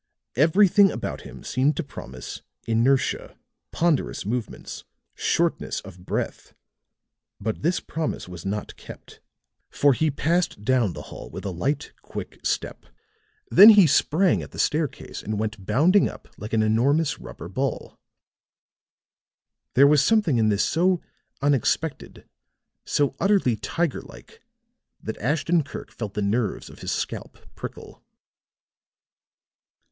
Everything about him seemed to promise inertia, ponderous movements, shortness of breath. But this promise was not kept, for he passed down the hall with a light, quick step; then he sprang at the staircase and went bounding up like an enormous rubber ball. There was something in this so unexpected, so utterly tiger like, that Ashton Kirk felt the nerves of his scalp prickle.